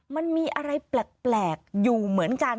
มันมีอะไรแปลกอยู่เหมือนกัน